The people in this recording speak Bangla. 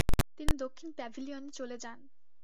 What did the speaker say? তিনি দক্ষিণ প্যাভিলিয়নে চলে যান।